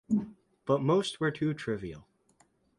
But most were too trivial.